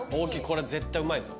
これ絶対うまいぞ。